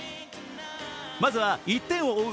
まずは、１点を追う